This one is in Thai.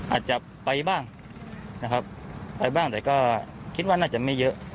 อาจจะไปบ้างนะครับไปบ้างแต่ก็คิดว่าน่าจะไม่เยอะ